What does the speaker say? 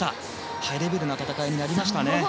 ハイレベルな戦いになりました。